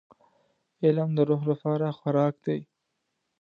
• علم د روح لپاره خوراک دی.